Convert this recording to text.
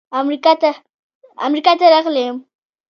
امریکا ته راغلی یم.